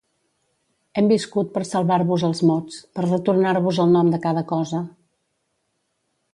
Hem viscut per salvar-vos els mots, per retornar-vos el nom de cada cosa.